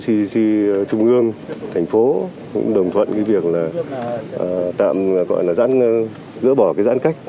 chúng tôi cũng phối hợp với trung ương thành phố cũng đồng thuận cái việc là tạm gọi là giãn giỡn bỏ cái giãn cách